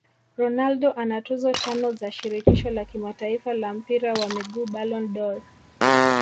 Ronaldo ana tuzo tano za shirikisho la kimataifa la mpira wa miguu Ballon dOr